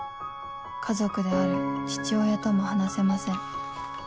「家族である父親とも話せません」